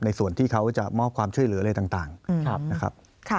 ส่วนที่เขาจะมอบความช่วยเหลืออะไรต่างนะครับ